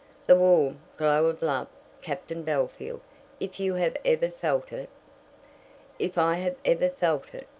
"The warm, glow of love, Captain Bellfield, if you have ever felt it " "If I have ever felt it!